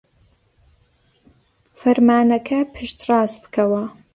فەرمانەکە پشتڕاست بکەوە.